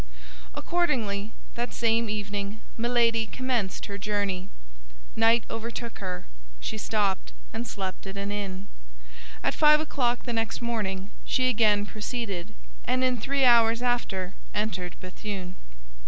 Accordingly, that same evening Milady commenced her journey. Night overtook her; she stopped, and slept at an inn. At five o'clock the next morning she again proceeded, and in three hours after entered Béthune.